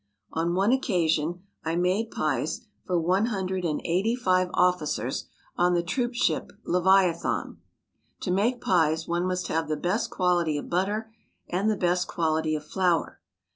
On one occasion I made pies for one hundred and eighty five officers on the troop ship Leviathan. To make pies, one must have the best quality of butter and the best quality of flour.